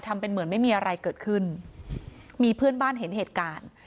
ทำเป็นเหมือนไม่มีอะไรเกิดขึ้นมีเพื่อนบ้านเห็นเหตุการณ์